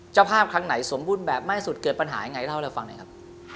เจ้าภาพครั้งไหนสมบูรณ์แบบไม่สุดเกิดปัญหาอย่างไรเท่าไหร่ฟังไหนครับ